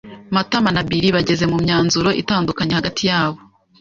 Matama na Bill bageze ku myanzuro itandukanye hagati yabo.